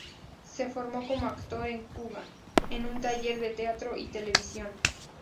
Se formó como actor en Cuba, en un taller de teatro y televisión.